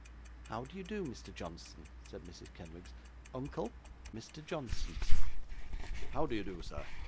'How do you do, Mr. Johnson?' said Mrs. Kenwigs. 'Uncle Mr. Johnson.' 'How do you do, sir?